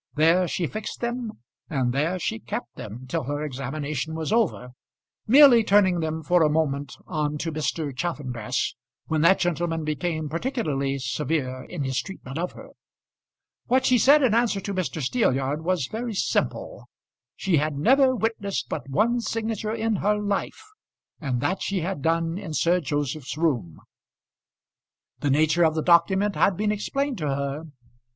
There she fixed them, and there she kept them till her examination was over, merely turning them for a moment on to Mr. Chaffanbrass, when that gentleman became particularly severe in his treatment of her. What she said in answer to Mr. Steelyard, was very simple. She had never witnessed but one signature in her life, and that she had done in Sir Joseph's room. The nature of the document had been explained to her.